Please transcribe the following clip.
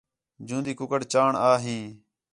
جوندی کُکڑ چاݨ آ ہیں